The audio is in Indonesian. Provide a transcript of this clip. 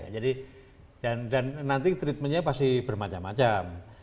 jadi dan nanti treatmentnya pasti bermacam macam